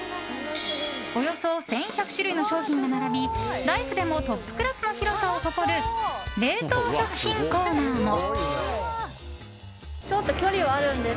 およそ１１００種類の商品が並びライフでもトップクラスの広さを誇る冷凍食品コーナーも。